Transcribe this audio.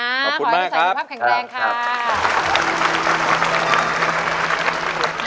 ขอให้ผู้ใส่ภาพแข็งแกรงค่ะ